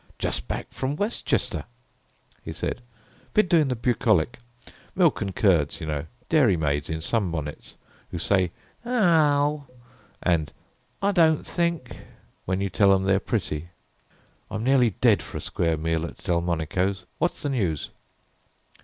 "Just back from Westchester," he said; "been doing the bucolic; milk and curds, you know, dairy maids in sunbonnets, who say 'haeow' and 'I don't think' when you tell them they are pretty. I'm nearly dead for a square meal at Delmonico's. What's the news?"